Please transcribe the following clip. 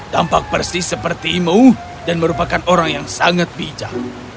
tampak persis sepertimu dan merupakan orang yang sangat bijak